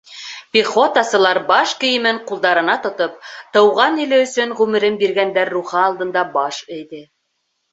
Пехотасылар баш кейемен ҡулдарына тотоп, Тыуған иле өсөн ғүмерен биргәндәр рухы алдында баш эйҙе.